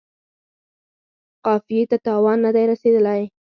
قافیې ته تاوان نه دی رسیدلی.